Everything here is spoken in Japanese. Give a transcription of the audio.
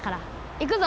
いくぞ！